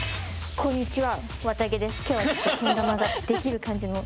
こんにちは！